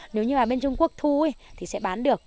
nếu như là bên trung quốc thu thì sẽ bán được